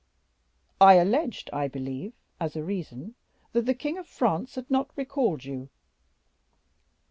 "I alleged, I believe, as a reason, that the king of France had not recalled you?"